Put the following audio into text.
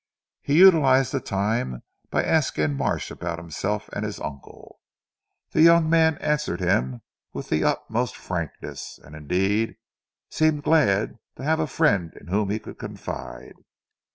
He utilised the time by asking Marsh about himself and his uncle. The young man answered him with the utmost frankness, and indeed seemed glad to have a friend in whom he could confide.